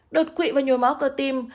đột quỵ và nhồi máu cơ tim